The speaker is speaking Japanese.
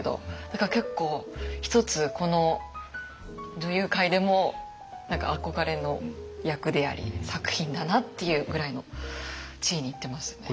だから結構一つこの女優界でも何か憧れの役であり作品だなっていうぐらいの地位にいってますよね。